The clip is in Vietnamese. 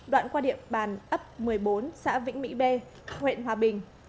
đoạn qua điện bàn ấp một mươi bốn xã vĩnh mỹ b huyện hòa bình